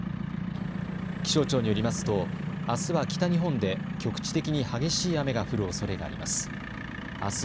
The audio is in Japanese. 気象庁によりますとあすは北日本で局地的に激しい雨が降るおそれがあります。